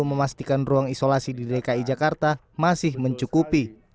memastikan ruang isolasi di dki jakarta masih mencukupi